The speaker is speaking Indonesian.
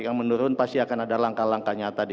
bapak betul komisi delapan